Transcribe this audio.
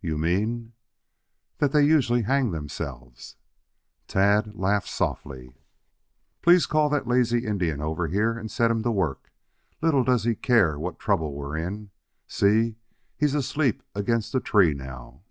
"You mean?" "That they usually hang themselves." Tad laughed softly. "Please call that lazy Indian over here and set him to work. Little does he care what trouble we're in. See, he's asleep against a tree now."